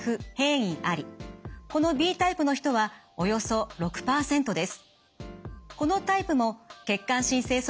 このＣタイプの人はおよそ４４％います。